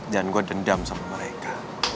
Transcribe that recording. dan gue dendam sama mereka